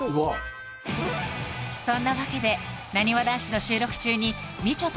そんなわけでなにわ男子の収録中にみちょぱ